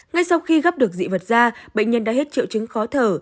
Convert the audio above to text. ngay sau khi gấp được dị vật da bệnh nhân đã hết triệu chứng khó thở